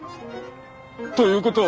ということは？